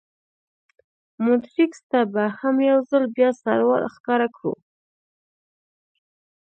مونټریکس ته به هم یو ځل بیا سر ور ښکاره کړو.